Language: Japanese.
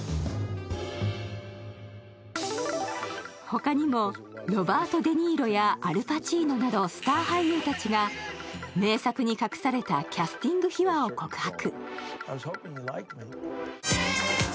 他にもロバート・デ・ニーロやアル・パチーノなどスター俳優たちが名作に隠されたキャスティング秘話を告白。